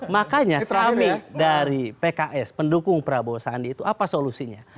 makanya kami dari pks pendukung prabowo sandi itu apa solusinya